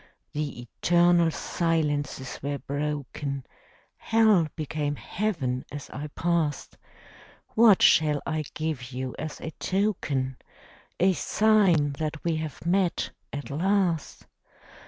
The eternal silences were broken; Hell became Heaven as I passed. What shall I give you as a token, A sign that we have met, at last?